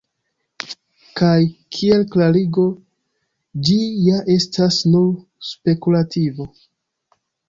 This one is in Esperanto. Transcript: Kaj kiel klarigo ĝi ja estas nur spekulativo.